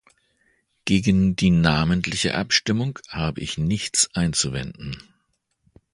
Gegen die namentliche Abstimmung habe ich nichts einzuwenden.